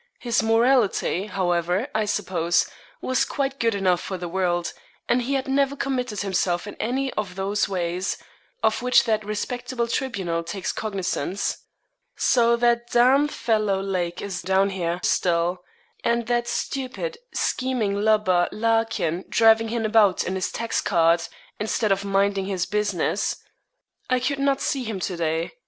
His morality, however, I suppose, was quite good enough for the world, and he had never committed himself in any of those ways of which that respectable tribunal takes cognizance. 'So that d d fellow Lake is down here still; and that stupid, scheming lubber, Larkin, driving him about in his tax cart, instead of minding his business. I could not see him to day.